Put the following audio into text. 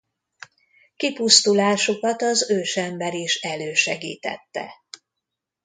Kipusztulásukat az ősember is elősegítette.